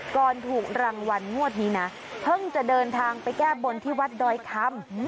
ก่อนถูกรางวัลงวดนี้นะเพิ่งจะเดินทางไปแก้บนที่วัดดอยคำ